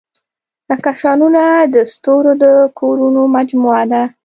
کهکشانونه د ستورو د کورونو مجموعه ده.